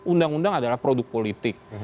undang undang adalah produk politik